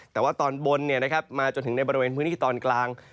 แต่ว่าตอนบนมาจนถึงในบริเวณพื้นที่ตอนกลาง